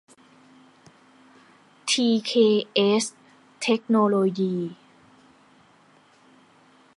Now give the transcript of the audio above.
ที เค เอส เทคโนโลยี